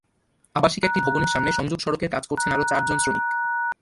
আবাসিক একটি ভবনের সামনে সংযোগ সড়কের কাজ করছেন আরও চারজন শ্রমিক।